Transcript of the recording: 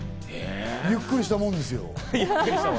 ゆっくりしたもんですよ。